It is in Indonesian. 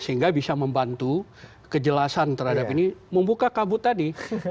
sehingga bisa membantu kejelasan terhadap ini membuka kabut tadi